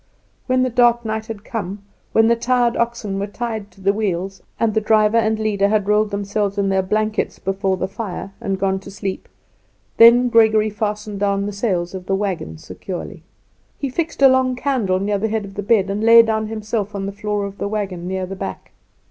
When the dark night had come, when the tired oxen were tied to the wheels, and the driver and leader had rolled themselves in their blankets before the fire, and gone to sleep, then Gregory fastened down the sails of the wagon securely. He fixed a long candle near the head of the bed, and lay down himself on the floor of the wagon near the back.